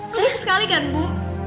kekasih sekali kan bu